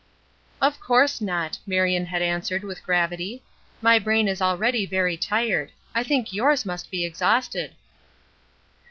"Of course not," Marion had answered with gravity, "My brain is already very tired. I think yours must be exhausted."